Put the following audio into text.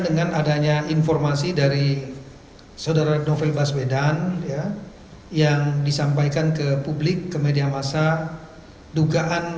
dengan adanya informasi dari saudara novel baswedan yang disampaikan ke publik ke media masa dugaan